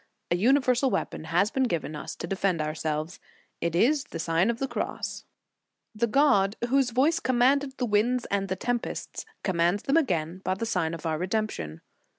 A universal weapon has been given us to defend ourselves ; it is the Sign of the Cross. The God whose voice commanded the winds and the tempests, commands them 176 The Sign of ihe Cross. 177 again by the sign of our redemption.